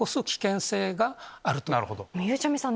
ゆうちゃみさん